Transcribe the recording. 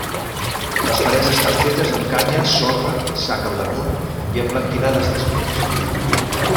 Les parets estan fetes amb canya, sorra, sac al damunt i emblanquinades després.